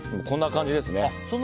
こんな感じですね。